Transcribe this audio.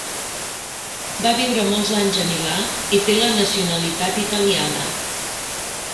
Va viure molts anys a Milà, i té la nacionalitat italiana.